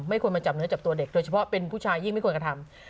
ควรมาจับเนื้อจับตัวเด็กโดยเฉพาะเป็นผู้ชายยิ่งไม่ควรกระทำ